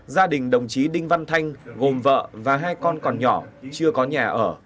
gia đình đồng chí đinh văn thanh gồm vợ và hai con còn nhỏ chưa có nhà ở